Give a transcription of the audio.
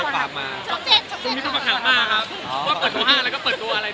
ต้องเปิดห้างแล้วก็เปิดตัวอะไรนะครับ